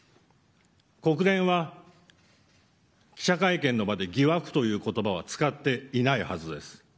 国連は、記者会見の場で疑惑という言葉は使っていないはずです。